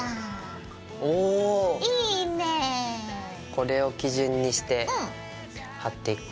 これを基準にして貼っていこう。